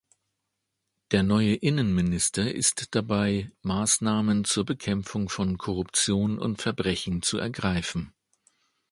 Der neue Innenminister ist dabei, Maßnahmen zur Bekämpfung von Korruption und Verbrechen zu ergreifen.